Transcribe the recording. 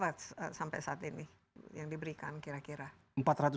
berapa sampai saat ini yang diberikan kira kira